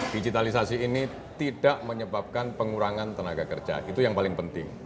digitalisasi ini tidak menyebabkan pengurangan tenaga kerja itu yang paling penting